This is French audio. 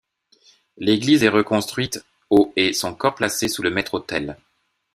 L'église est reconstruite au et son corps placé sous le maître-autel.